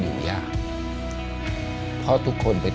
หนูอยากให้พ่อกับแม่หายเหนื่อยครับ